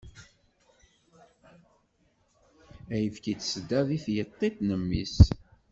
Ayefki n tsedda di tyeṭṭit n mmi-s.